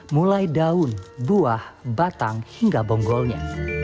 mulai daun buah batang hingga bonggolnya